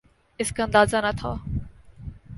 اس کا اندازہ نہ تھا۔